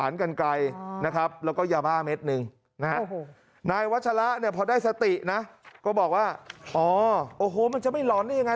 นะครับในวัชราเนี่ยพอได้สตินะก็บอกว่าอ้อหูมันจะไม่หลอนนี่ยังไง